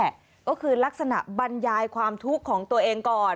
ก็คือลักษณะบรรยายความทุกข์ของตัวเองก่อน